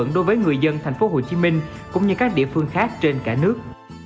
đối với người dân thành phố hồ chí minh cũng như các địa phương khác trên cả nước